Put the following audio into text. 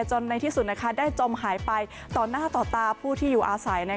ในที่สุดได้จมหายไปต่อหน้าต่อตาผู้ที่อยู่อาศัย